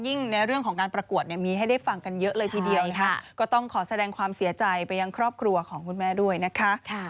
ในเรื่องของการประกวดเนี่ยมีให้ได้ฟังกันเยอะเลยทีเดียวนะคะก็ต้องขอแสดงความเสียใจไปยังครอบครัวของคุณแม่ด้วยนะคะ